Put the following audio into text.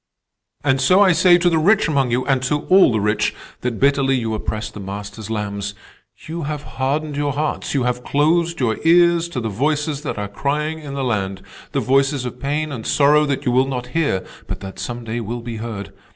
"And so I say to the rich among you, and to all the rich, that bitterly you oppress the Master's lambs. You have hardened your hearts. You have closed your ears to the voices that are crying in the land—the voices of pain and sorrow that you will not hear but that some day will be heard.